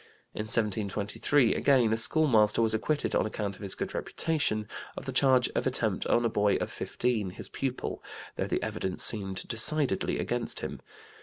In 1723, again, a schoolmaster was acquitted, on account of his good reputation, of the charge of attempt on a boy of 15, his pupil, though the evidence seemed decidedly against him.